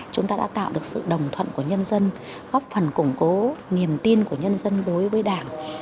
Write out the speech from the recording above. chúng ta đã tạo được sự đồng thuận của nhân dân góp phần củng cố niềm tin của nhân dân đối với đảng